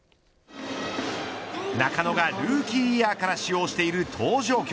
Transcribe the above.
中野がルーキーイヤーから使用している登場曲